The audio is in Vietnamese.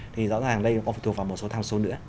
thì rõ ràng đây có phải thuộc vào một số tham số nữa